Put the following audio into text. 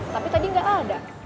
tapi tadi nggak ada